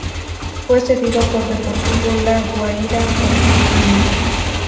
Fue cedido por Deportivo La Guaira por dos años.